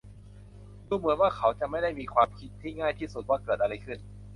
ดูเหมือนว่าเขาจะไม่ได้มีความคิดที่ง่ายที่สุดว่าเกิดอะไรขึ้น